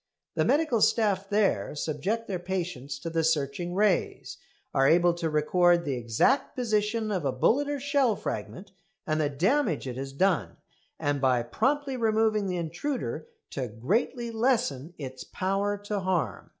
The medical staff there subject their patients to the searching rays, are able to record the exact position of a bullet or shell fragment, and the damage it has done; and by promptly removing the intruder to greatly lessen its power to harm.